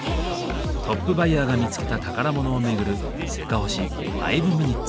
トップバイヤーが見つけた宝物を巡る「せかほし５ｍｉｎ．」。